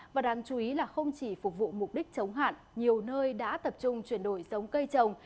và đáng chú ý là không chỉ phục vụ mục đích chống hạn nhiều nơi đã tập trung chuyển đổi giống cây trồng